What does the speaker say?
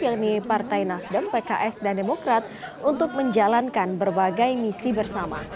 yaitu partai nasdem pks dan demokrat untuk menjalankan berbagai misi bersama